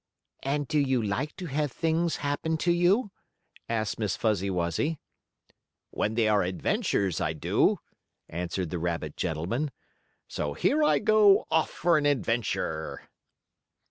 "And do you like to have things happen to you?" asked Miss Fuzzy Wuzzy. "When they are adventures I do," answered the rabbit gentleman. "So here I go off for an adventure."